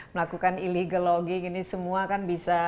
melakukan illegal logging ini semua kan bisa